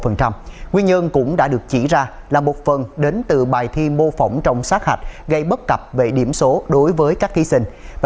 nguyên nhân cũng đã được chỉ ra là một phần đến từ bài thi mô phỏng trong sát hạch gây bất cập về điểm số đối với các thí sinh